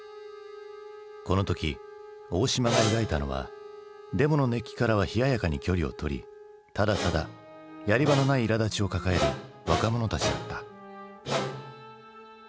この時大島が描いたのはデモの熱気からは冷ややかに距離をとりただただやり場のないいらだちを抱える若者たちだった。